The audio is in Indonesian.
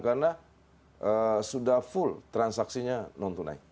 karena sudah full transaksinya non tunai